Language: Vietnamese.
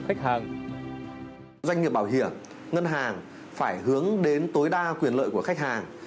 các doanh nghiệp bảo hiểm ngân hàng phải hướng đến tối đa quyền lợi của khách hàng